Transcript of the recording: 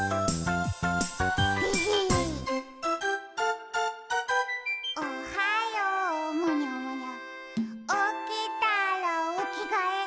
でへへ「おはようむにゃむにゃおきたらおきがえ」